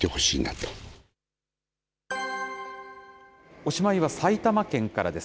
おしまいは埼玉県からです。